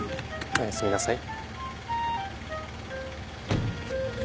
おやすみなさい。